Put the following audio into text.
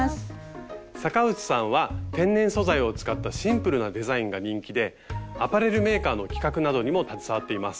坂内さんは天然素材を使ったシンプルなデザインが人気でアパレルメーカーの企画などにも携わっています。